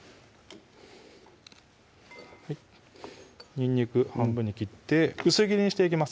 にんにく半分に切って薄切りにしていきます